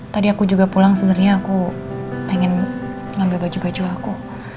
tadi aku juga pulang sebenarnya aku pengen ngambil baju baju aku